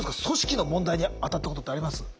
組織の問題に当たったことってあります？